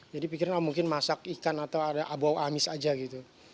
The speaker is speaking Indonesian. jadi pikirnya mungkin masak ikan atau ada bau amis aja gitu